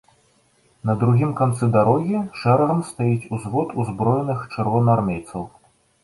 На другім канцы дарогі шэрагам стаіць узвод узброеных чырвонаармейцаў.